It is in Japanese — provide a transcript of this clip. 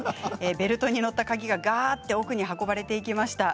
ベルトに載った鍵が奥に運ばれてきました。